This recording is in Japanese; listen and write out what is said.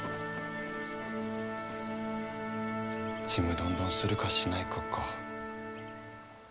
ちむどんどんするかしないかか。